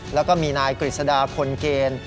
แล้วก็มีนายกฤษฎาพลเกณฑ์